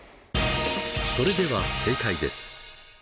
それでは正解です。